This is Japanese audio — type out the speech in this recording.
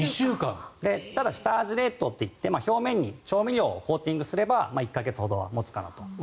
ただ、下味冷凍と言って表面に調味料をコーティングすれば１か月ほどは持つかなと。